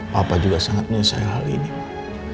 papa juga sangat menyelesaikan hal ini ma